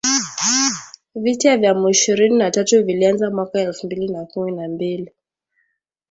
Vita vya M ishirini na tatu vilianza mwaka elfu mbili na kumi na mbili